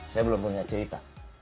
saya belum punya cerita